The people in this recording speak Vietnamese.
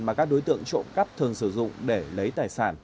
mà các đối tượng trộm cắp thường sử dụng để lấy tài sản